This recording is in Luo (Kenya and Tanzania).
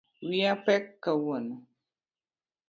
Wiya pek kawuono